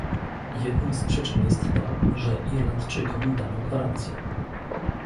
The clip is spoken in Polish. Jedną z przyczyn jest to, że Irlandczykom dano gwarancje